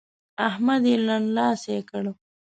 احمد يې لنډلاسی کړ.